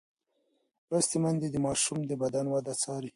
لوستې میندې د ماشوم د بدن وده څاري.